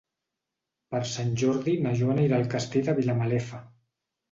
Per Sant Jordi na Joana irà al Castell de Vilamalefa.